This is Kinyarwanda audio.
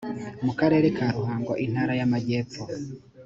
mu karere ka ruhango intara ya amajyepfo